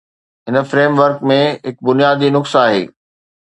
هن framework ۾ هڪ بنيادي نقص آهي.